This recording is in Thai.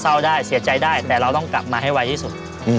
เศร้าได้เสียใจได้แต่เราต้องกลับมาให้ไวที่สุด